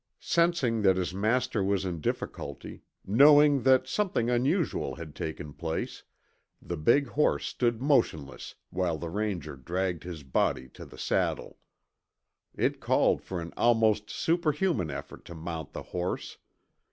Sensing that his master was in difficulty, knowing that something unusual had taken place, the big horse stood motionless while the Ranger dragged his body to the saddle. It called for an almost superhuman effort to mount the horse.